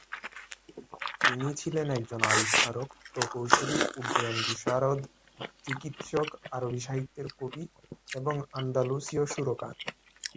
তিনি ছিলেন একজন আবিষ্কারক, প্রকৌশলী, উড্ডয়ন বিশারদ, চিকিৎসক, আরবি সাহিত্যের কবি এবং আন্দালুসিয় সুরকার।